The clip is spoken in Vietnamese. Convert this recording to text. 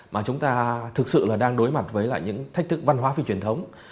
mà chúng ta thực sự đang đối mặt với những thách thức văn hóa phi truyền thống